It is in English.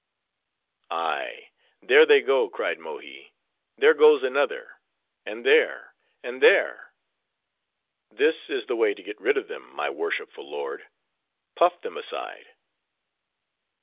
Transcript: "Ay, there they go," cried Mohi, "there goes another—and, there, and there;—this is the way to get rid of them my worshipful lord; puff them aside."